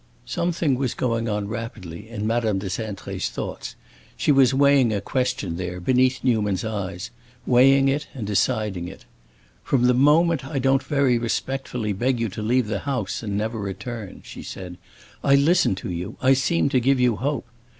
Something was going on, rapidly, in Madame de Cintré's thoughts; she was weighing a question there, beneath Newman's eyes, weighing it and deciding it. "From the moment I don't very respectfully beg you to leave the house and never return," she said, "I listen to you, I seem to give you hope.